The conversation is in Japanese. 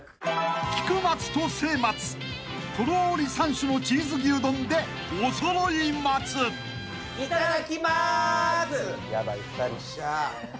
［菊松とせい松とろり３種のチーズ牛丼でおそろい松］よっしゃ。